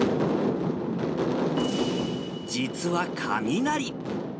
実は雷。